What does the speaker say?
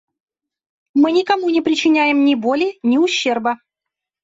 Мы никому не причиняем ни боли, ни ущерба.